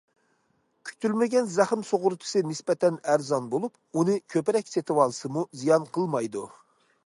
كۈتۈلمىگەن زەخىم سۇغۇرتىسى نىسبەتەن ئەرزان بولۇپ، ئۇنى كۆپرەك سېتىۋالسىمۇ زىيان قىلمايدۇ.